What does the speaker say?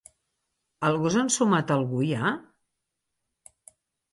El gos ha ensumat a algú ja?